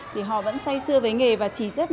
thì họ vẫn say sưa với nghề và chỉ rất là